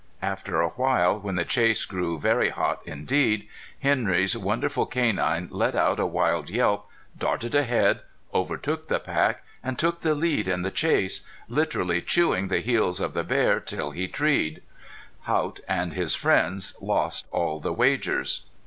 After a while, when the chase grew very hot indeed, Henry's wonderful canine let out a wild yelp, darted ahead, overtook the pack and took the lead in the chase, literally chewing the heels of the bear till he treed. Haught and his friends lost all the wagers.